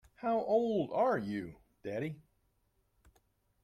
How old are you, daddy.